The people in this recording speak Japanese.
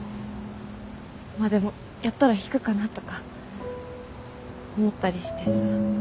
まあでもやったら引くかなとか思ったりしてさ。